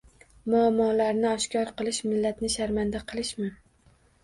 Muammolarni oshkor qilish — millatni sharmanda qilishmi?